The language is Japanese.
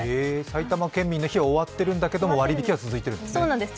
埼玉県民の日は終わっているんだけど、割引は続いているんですね。